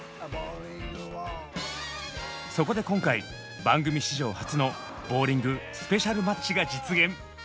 そこで今回番組史上初のボウリング・スペシャルマッチが実現！